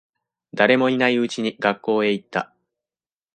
誰もいないうちに学校へ行った。